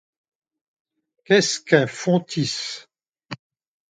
Qu’est-ce qu’un fontis ?